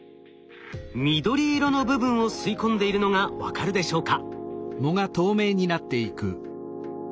緑色の部分を吸い込んでいるのが分かるでしょうか？